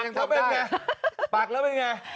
ใจเสมอได้ปากแล้วเป็นไง